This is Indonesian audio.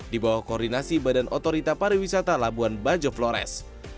di bawah koordinasi badan otorita pariwisata labuan bajo flores